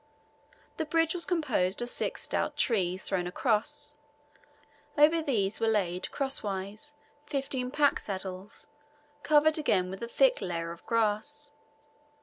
The bridge was composed of six stout trees thrown across, over these were laid crosswise fifteen pack saddles, covered again with a thick layer of grass.